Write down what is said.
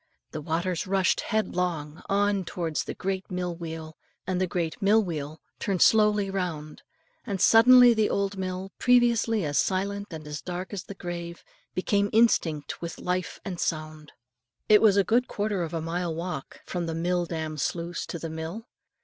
The waters rushed headlong on towards the great mill wheel; the great mill wheel turned slowly round; and suddenly the old mill, previously as silent and dark as the grave itself, became instinct with life and sound. It was a good quarter of a mile walk, from the mill dam sluice to the mill.